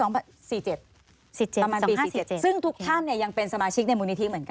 ประมาณปี๕๗ซึ่งทุกท่านเนี่ยยังเป็นสมาชิกในมูลนิธิเหมือนกัน